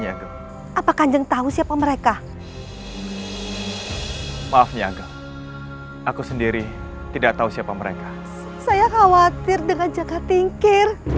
kegelapan tengah menyelembuti desa tinggi